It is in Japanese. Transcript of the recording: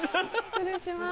失礼します。